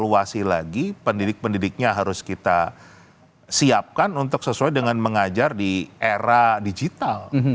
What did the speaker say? evaluasi lagi pendidik pendidiknya harus kita siapkan untuk sesuai dengan mengajar di era digital